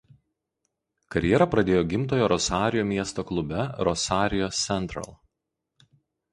Karjerą pradėjo gimtojo Rosarijo miesto klube Rosario Central.